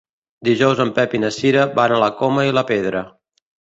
Dijous en Pep i na Cira van a la Coma i la Pedra.